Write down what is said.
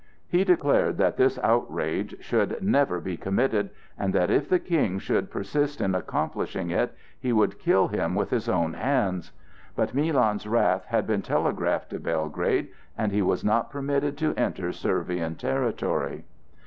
He declared that this outrage should never be committed, and that if the King should persist in accomplishing it, he would kill him with his own hands. But Milan's wrath had been telegraphed to Belgrade, and he was not permitted to enter Servian territory.